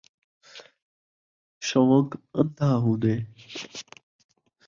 شون٘ق ان٘دھا ہون٘دے